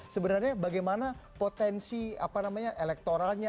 sebenarnya bagaimana potensi apa namanya elektoralnya